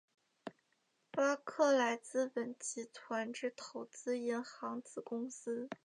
巴克莱资本集团之投资银行子公司。